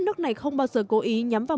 nước này không bao giờ cố ý nhắm vào